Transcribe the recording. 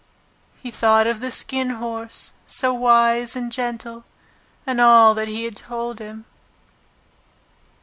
He thought of the Skin Horse, so wise and gentle, and all that he had told him.